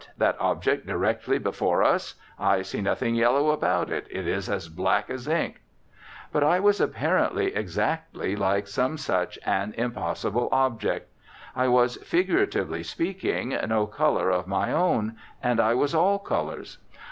that object directly before us? I see nothing yellow about it; it is as black as ink." But I was apparently exactly like such an impossible object. I was, figuratively speaking, no colour of my own and I was all colours.